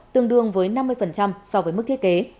tương đương với năm mươi so với mức thiết kế